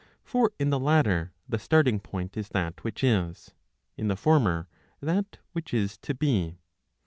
For in the latter the starting point is that which is ; in the former that which is to be.